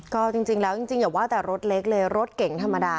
ก็จริงแล้วจริงอย่าว่าแต่รถเล็กเลยรถเก๋งธรรมดา